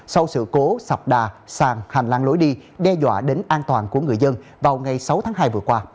sau sự cố sập đà sàng hành lang lối đi đe dọa đến an toàn của người dân vào ngày sáu tháng hai vừa qua